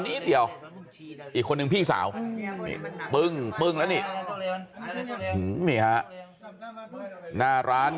นิดเดียวอีกคนนึงพี่สาวนี่ปึ้งปึ้งแล้วนี่นี่ฮะหน้าร้าน